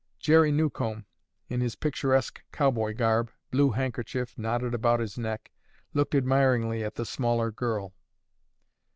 Jerry Newcomb in his picturesque cowboy garb, blue handkerchief knotted about his neck, looked admiringly at the smaller girl.